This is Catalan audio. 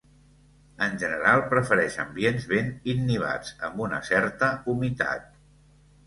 En general prefereix ambients ben innivats, amb una certa humitat.